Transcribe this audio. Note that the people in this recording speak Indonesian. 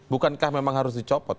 bukankah memang harus dicopot